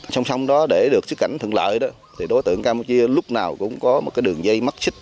xong xong đó để được xuất cảnh thượng lợi đó thì đối tượng campuchia lúc nào cũng có một cái đường dây mắc xích